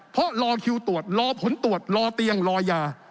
เพราะรอคิวตรวจรอผลตรวจรอเตียงรอยา